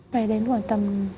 phải đến khoảng tầm